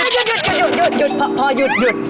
อย่ายุดพอยุด